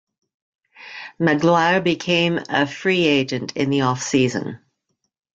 Magloire became a free agent in the off-season.